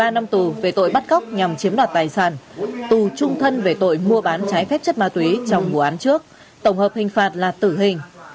ba năm tù về tội bắt cóc nhằm chiếm đoạt tài sản tù trung thân về tội mua bán trái phép chất ma túy trong vụ án trước tổng hợp hình phạt là tử hình